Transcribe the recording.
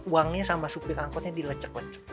uangnya sama supir angkotnya dilecek lecek